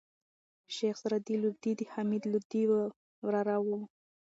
شېخ رضي لودي دحمید لودي وراره وو.